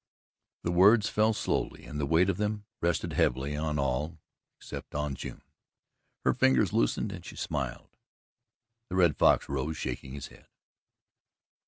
The words fell slowly and the weight of them rested heavily on all except on June. Her fingers loosened and she smiled. The Red Fox rose, shaking his head.